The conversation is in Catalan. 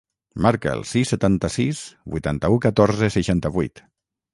Marca el sis, setanta-sis, vuitanta-u, catorze, seixanta-vuit.